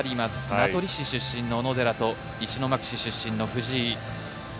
名取市出身の小野寺と石巻市出身の藤井。